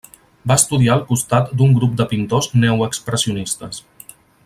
Va estudiar al costat d'un grup de pintors neoexpressionistes.